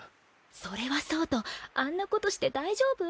それはそうとあんなことして大丈夫？